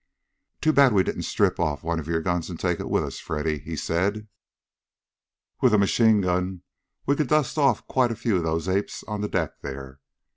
"Too bad we didn't strip off one of your guns and take it with us, Freddy," he said. "With a machine gun we could dust off quite a few of those apes on the deck there.